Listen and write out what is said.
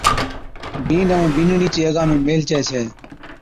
بِينڏَ ائُون بِينڏڙِي چي اَگا ۾ ميلهجي ڇَي